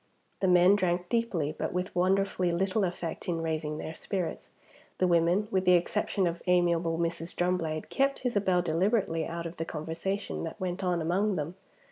The men drank deeply, but with wonderfully little effect in raising their spirits; the women, with the exception of amiable Mrs. Drumblade, kept Isabel deliberately out of the conversation that went on among them.